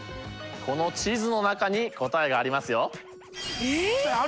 この地図の中に答えがありますよ。